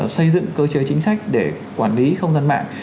xây dựng cơ chế chính sách để quản lý không gian mạng